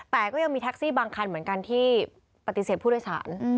แต่ก็ยังมีแท็กซี่บางคันเหมือนกันที่ปฏิเสธผู้โดยสาร